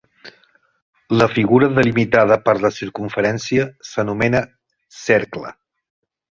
La figura delimitada per la circumferència s'anomena cercle.